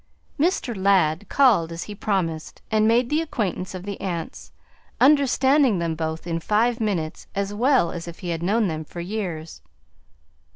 Mr. Ladd called as he promised, and made the acquaintance of the aunts, understanding them both in five minutes as well as if he had known them for years.